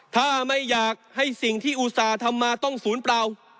ถ้าไม่อยากให้สิ่งที่อุตส่าห์ทำมาต้องศูนย์เปล่า